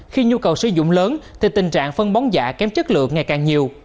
khi nhu cầu sử dụng lớn thì tình trạng phân bóng giả kém chất lượng ngày càng nhiều